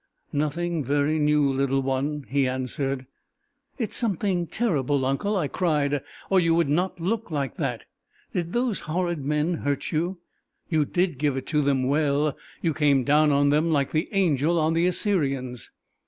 "Nothing very new, little one," he answered. "It is something terrible, uncle," I cried, "or you would not look like that! Did those horrid men hurt you? You did give it them well! You came down on them like the angel on the Assyrians!"